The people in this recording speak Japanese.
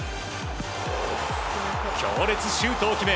強烈シュートを決め